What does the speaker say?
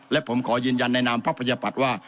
และผมขอยืนยันในนามภาพประชาวบาทว่า